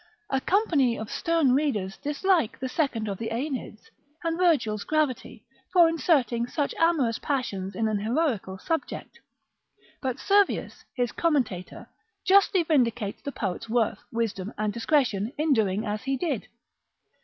A company of stern readers dislike the second of the Aeneids, and Virgil's gravity, for inserting such amorous passions in an heroical subject; but Servius, his commentator, justly vindicates the poet's worth, wisdom, and discretion in doing as he did.